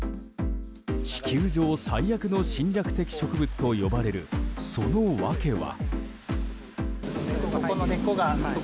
地球上最悪の侵略的植物と呼ばれる、その訳は。